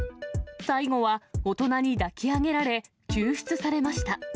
最後は大人に抱き上げられ、救出されました。